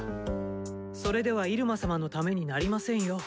それでは入間様のためになりませんよ。